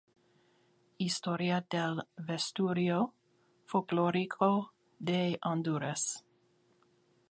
Historia del vestuario folklórico de honduras.